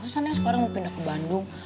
masa neng sekarang mau pindah ke bandung